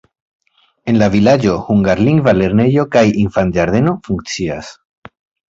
En la vilaĝo hungarlingva lernejo kaj infanĝardeno funkcias.